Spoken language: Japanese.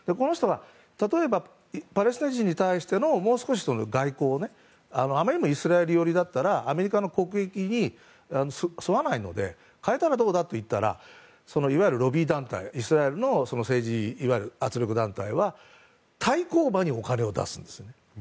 例えばパレスチナ人に対してのもう少しあまりにもイスラエル寄りだったらアメリカの国益に沿わないので変えたらどうだと言ったらいわゆるロビー団体イスラエルの政治圧力団体は対抗馬にお金を出すんです。